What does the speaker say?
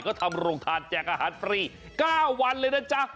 ก็ทำโรงทานแจกอาหารฟรี๙วันเลยนะจ๊ะ